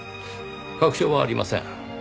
確証はありません。